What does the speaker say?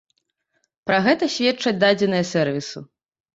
Пра гэта сведчаць дадзеныя сэрвісу.